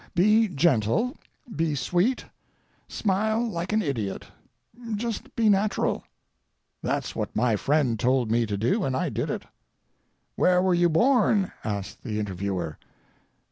Be gentle, be sweet, smile like an idiot—just be natural." That's what my friend told me to do, and I did it. "Where were you born?" asked the interviewer.